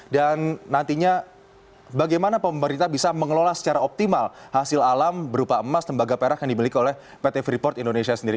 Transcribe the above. dan nantinya bagaimana pemerintah bisa mengelola secara optimal hasil alam berupa emas tembaga perak yang dibelikan oleh pt freeport indonesia sendiri